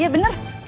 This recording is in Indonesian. yang ke mirrors